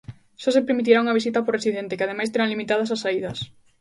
Só se permitirá unha visita por residente, que ademais terán limitadas as saídas.